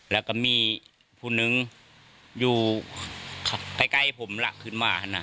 แล้วก็มีผู้หนึ่งอยู่ครับนี้ไกลผมละขึ้นมานะ